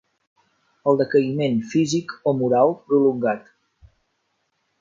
El decaïment, físic o moral, prolongat.